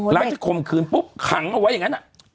หลังจากคมคืนปุ๊บขังเอาไว้อย่างนั้น